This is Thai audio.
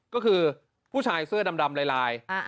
ก็คือผู้ชายเสื้อดำลาย